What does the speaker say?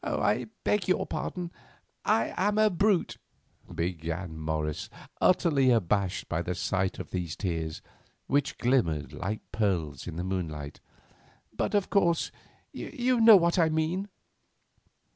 "I beg your pardon; I am a brute," began Morris, utterly abased by the sight of these tears, which glimmered like pearls in the moonlight, "but, of course, you know what I mean."